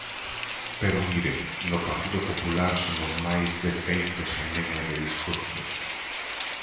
Pero, mire, no Partido Popular somos máis de feitos e menos de discursos.